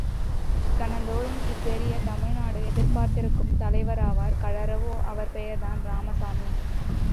கணந்தோறும் இப்பெரிய தமிழ்நாடு எதிர்பார்க்கும் தலைவராவார் கழறவோ அவர் பெயர்தான் இராமசாமி!